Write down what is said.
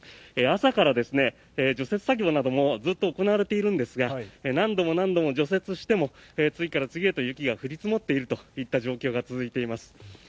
朝から除雪作業などもずっと行われているんですが何度も何度も除雪しても次から次へと雪が降り積もっているといった状況が続いています。